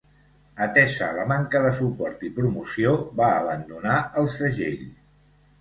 Atesa la manca de suport i promoció, va abandonar el segell.